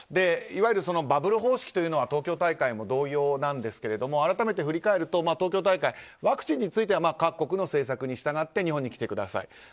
いわゆるバブル方式というのは東京大会も同様なんですが改めて振り返ると、東京大会ワクチンについては各国の政策に従い日本に来てください。